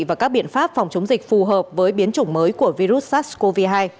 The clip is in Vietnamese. và các biện pháp phòng chống dịch phù hợp với biến chủng mới của virus sars cov hai